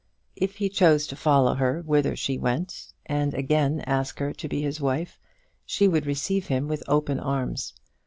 If he chose to follow her whither she went, and again ask her to be his wife she would receive him with open arms.